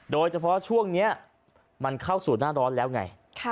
โดยเฉพาะช่วงนี้มันเข้าสู่หน้าร้อนแล้วไง